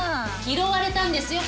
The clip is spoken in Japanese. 拾われたんですよ